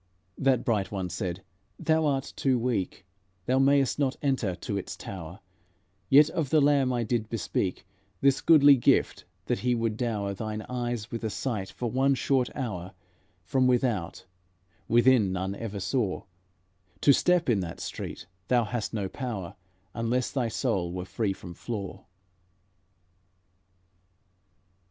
That bright one said, "Thou art too weak, Thou may'st not enter to its tower; Yet of the Lamb I did bespeak This goodly gift, that He would dower Thine eyes with the sight for one short hour, From without, within none ever saw; To step in that street thou hast no power, Unless thy soul were free from flaw."